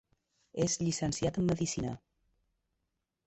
És llicenciat en Medicina.